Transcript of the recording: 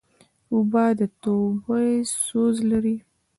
اوبه د توبه سوز لري.